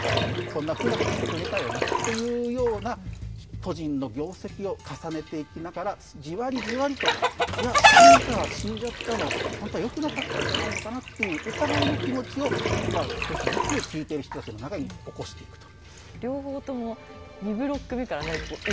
こんなふうなことをしてくれたよねっていうような故人の業績を重ねていきながらじわりじわりといやシーザー死んじゃったのほんとはよくなかったんじゃないのかなっていう疑いの気持ちを少しずつ聞いてる人たちの中に起こしていくと。